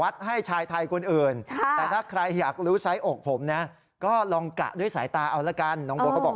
ไม่เขาบอกแหละว่าแบบอกผม